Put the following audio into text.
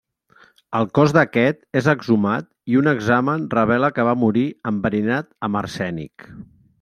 El cos d'aquest és exhumat i un examen revela que va morir enverinat amb arsènic.